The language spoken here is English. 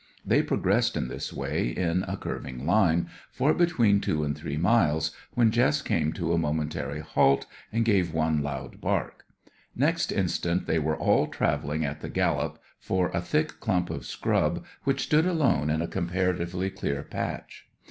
They progressed in this way, in a curving line, for between two and three miles, when Jess came to a momentary halt, and gave one loud bark. Next instant they were all travelling at the gallop for a thick clump of scrub which stood alone in a comparatively clear patch.